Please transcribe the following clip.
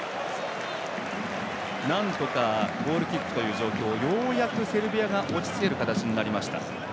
なんとかゴールキックという状況をようやくセルビアが落ち着ける状況になりました。